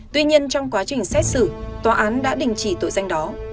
tuy nhiên trong quá trình xét xử tòa án đã đình chỉ tội danh đó